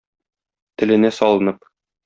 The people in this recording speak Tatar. Теленә салынып.